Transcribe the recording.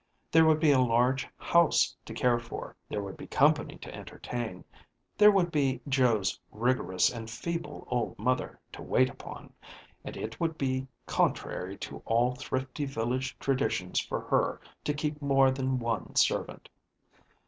There would be a large house to care for; there would be company to entertain ; there would be Joe's rigorous and feeble old mother to wait upon ; and it would be contrary to all thrifty village traditions for her to keep more than one servant.